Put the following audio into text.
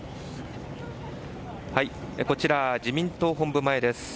こちら、自民党本部前です。